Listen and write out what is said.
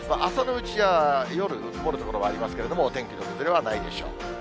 朝のうちや夜、曇る所がありますけれども、お天気の崩れはないでしょう。